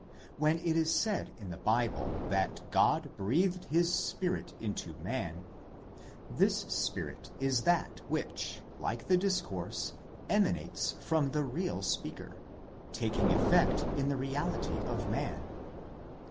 When it is said in the Bible that God breathed His spirit into man, this spirit is that which, like the discourse, emanates from the Real Speaker, taking effect in the reality of man.